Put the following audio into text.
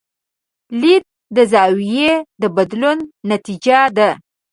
لید د زاویې د بدلون نتیجه ده.